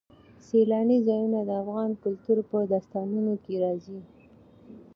سیلانی ځایونه د افغان کلتور په داستانونو کې راځي.